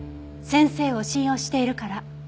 先生を信用しているから。